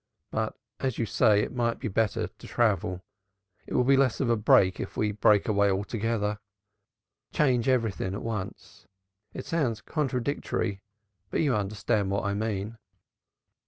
But, as you say, it might be better to travel. It will be less of a break if we break away altogether change everything at once. It sounds contradictory, but you understand what I mean."